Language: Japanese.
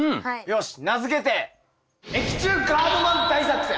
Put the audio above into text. よし名付けて益虫ガードマン大作戦。